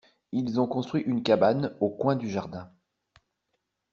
Ils ont construit une cabane au coin du jardin.